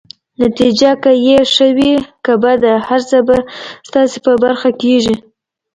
نتیجه که يې ښه وي که بده، هر څه به ستاسي په برخه کيږي.